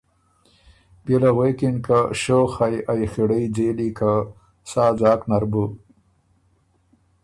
بيې له غوېکِن که شوخ هئ ائ خِړئ ځېلي که سا ځاک نر بُو